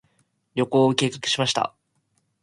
旅行を計画しました。